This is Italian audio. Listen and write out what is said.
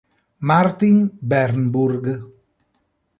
Martin Bernburg